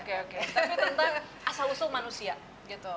tapi tentang asal usul manusia gitu